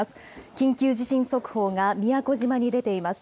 緊急地震速報が宮古島に出ています。